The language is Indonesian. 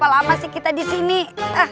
waalaikumsalam warahmatullahi wabarakatuh